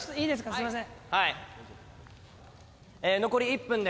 すいません。